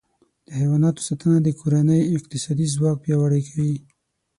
د حیواناتو ساتنه د کورنۍ اقتصادي ځواک پیاوړی کوي.